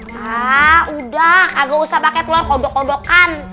hah udah agak usah pakai telur kodok kodokan